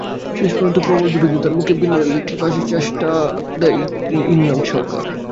শেষ পর্যন্ত প্রবল বিরোধিতার মুখে বিলটি পাসের চেষ্টা বাদ দেয় ইংলাক সরকার।